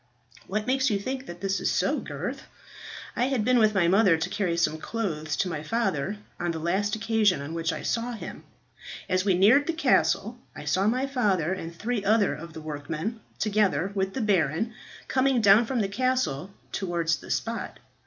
"What makes you think that this is so, Gurth?" "I had been with my mother to carry some clothes to my father on the last occasion on which I saw him. As we neared the castle I saw my father and three other of the workmen, together with the baron, coming down from the castle towards the spot.